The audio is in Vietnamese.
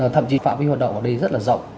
thậm chí phạm vi hoạt động ở đây rất là rộng